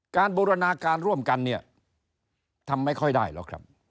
บูรณาการร่วมกันเนี่ยทำไม่ค่อยได้หรอกครับ